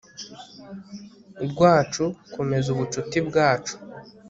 rwacu, komeza ubucuti bwacu